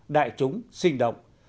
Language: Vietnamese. đại chúng sinh động